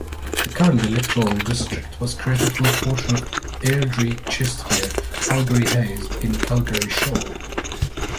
The current electoral district was created from a portion of Airdrie-Chestermere, Calgary-Hays and Calgary-Shaw.